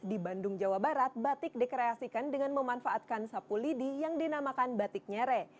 di bandung jawa barat batik dikreasikan dengan memanfaatkan sapu lidi yang dinamakan batik nyere